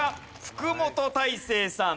福本大晴さん